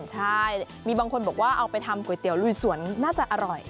ใช่มีบางคนบอกว่าเอาไปทำก๋วยเตี๋ยลุยสวนน่าจะอร่อย